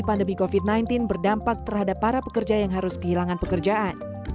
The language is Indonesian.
pandemi covid sembilan belas berdampak terhadap para pekerja yang harus kehilangan pekerjaan